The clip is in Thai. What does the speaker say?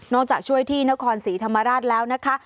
จากช่วยที่นครศรีธรรมราชแล้วนะคะ